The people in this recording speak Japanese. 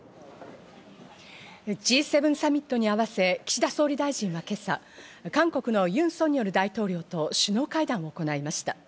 Ｇ７サミットに合わせ、岸田総理大臣は今朝、韓国のユン・ソンニョル大統領と首脳会談を行いました。